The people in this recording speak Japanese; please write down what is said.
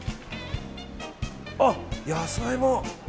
あ、野菜も。